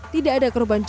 tidak ada kerubahan cinta